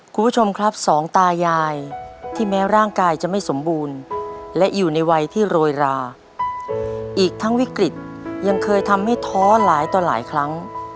คุณผู้ชมครับสองตายายที่แม้ร่างกายจะไม่สมบูรณ์และอยู่ในวัยที่โรยราอีกทั้งวิกฤตยังเคยทำให้ท้อหลายต่อหลายครั้ง